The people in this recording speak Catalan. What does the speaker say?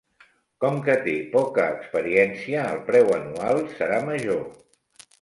Com que té poca experiència, el preu anual serà major.